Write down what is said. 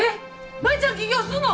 舞ちゃん起業すんの！？